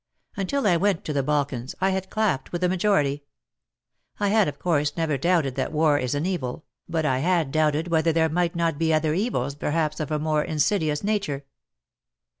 Until I went to the Balkans I had clapped with the majority. I had of course never doubted that war is an evil, but I had doubted whether there might not be other evils perhaps of a more insidious nature.